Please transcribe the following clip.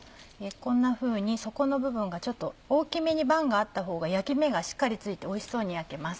こんなふうに底の部分がちょっと大きめに板があったほうが焼き目がしっかりついておいしそうに焼けます。